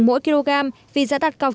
mỗi kg vì giá đặt cọc